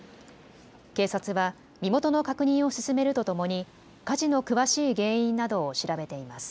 警察は身元の確認を進めるとともに火事の詳しい原因などを調べています。